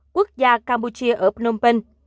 quốc gia campuchia ở phnom penh